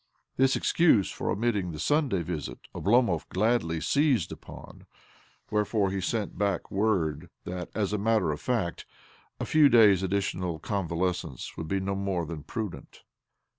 This excuse for omitting the Simday visit Oblomov gladly seized upon ; wherefore he sent back word that, as a matter of fact, a few days' additional con valescence would be no more than prudent.